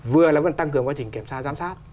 vừa là tăng cường quá trình kiểm soát giám sát